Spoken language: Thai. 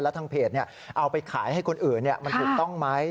แล้วทางเพจเอาไปขายให้คนอื่นมันถูกต้องไหม